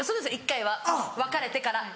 １回は別れてから。